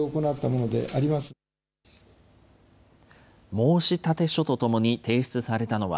申し立て書とともに提出されたのは、